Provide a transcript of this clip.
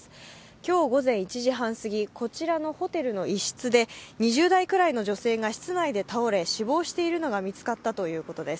今日午前１時半すぎ、こちらのホテルの一室で２０代くらいの女性が室内で倒れ死亡しているのが見つかったということです。